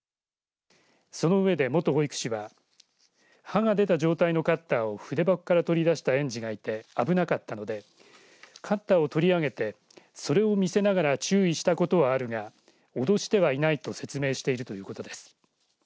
その上で、元保育士は刃が出た状態のカッターを筆箱から取り出した園児がいて危なかったのでカッターを取りあげてそれを見せながら注意したことはあるが脅してはいないと説明しているということです。